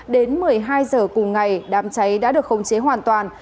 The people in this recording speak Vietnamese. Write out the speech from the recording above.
đến một mươi hai h cùng ngày đám cháy đã được khống chế hoàn toàn